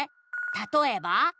「たとえば？」